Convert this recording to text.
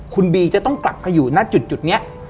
คุณบีจะต้องกลับมาอยู่หน้าจุดเนี่ย